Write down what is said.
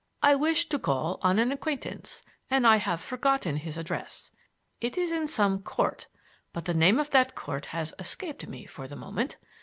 "I wish to call on an acquaintance, and I have forgotten his address. It is in some court, but the name of that court has escaped me for the moment.